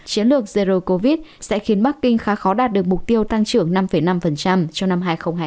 chiến lược zero covid sẽ khiến bắc kinh khá khó đạt được mục tiêu tăng trưởng năm năm trong năm hai nghìn hai mươi